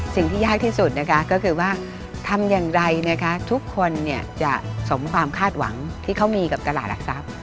สิ่งที่ยากที่สุดนะคะก็คือว่าทำอย่างไรนะคะทุกคนจะสมความคาดหวังที่เขามีกับตลาดหลักทรัพย์